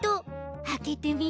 あけてみて！